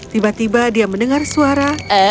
tiba tiba dia mendengar suara